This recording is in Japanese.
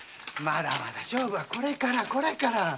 まだまだ勝負はこれからこれからよ。